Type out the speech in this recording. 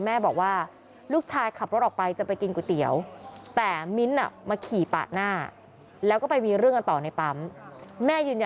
เห็นว่าน้องผู้หญิงที่ไปด้วยเป็นแค่แฟนไม่ใช่ภายะ